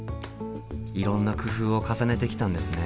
いろんな工夫を重ねてきたんですね。